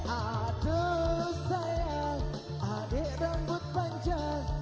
aduh sayang adik rambut panjang